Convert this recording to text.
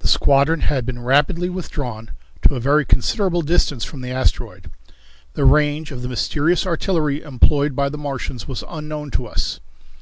The squadron had been rapidly withdrawn to a very considerable distance from the asteroid. The range of the mysterious artillery employed by the Martians was unknown to us.